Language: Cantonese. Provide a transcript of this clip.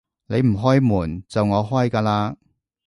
你唔開門，就我開㗎喇